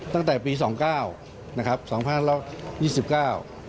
ตั้งแต่ปีสองเก้านะครับสองพันร้อยยี่สิบเก้า